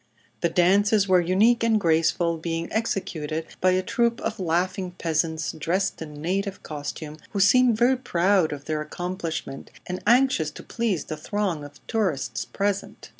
The dances were unique and graceful, being executed by a troup of laughing peasants dressed in native costume, who seemed very proud of their accomplishment and anxious to please the throng of tourists present.